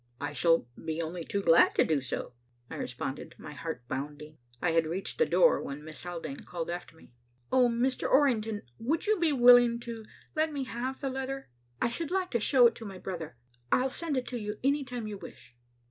"I shall be only too glad to do so," I responded, my heart bounding. I had reached the door when Miss Haldane called after me. "Oh, Mr. Orrington, would you be willing to let me have the letter? I should like to show it to my brother. I'll send it to you any time you wish."